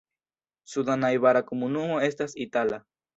Suda najbara komunumo estas Itala.